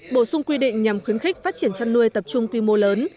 bổ sung quy định nhằm khuyến khích phát triển chăn nuôi tập trung quy mô lớn